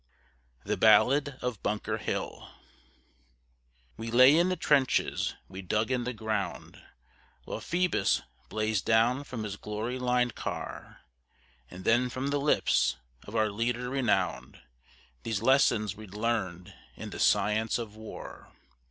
THE BALLAD OF BUNKER HILL We lay in the Trenches we'd dug in the Ground While Phoebus blazed down from his glory lined Car, And then from the lips of our Leader renown'd, These lessons we learn'd in the Science of War.